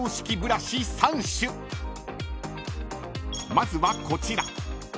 ［まずはこちら］